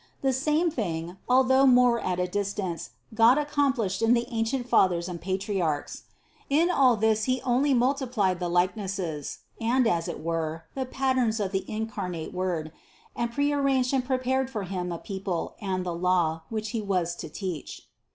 The same thing, although more at a distance, God ac complished in the ancient Fathers and Patriarchs. In all this He only multiplied the likenesses, and, as it were, the patterns of the incarnate Word, and prearranged and prepared for Him a people, and the law, which He was to teach.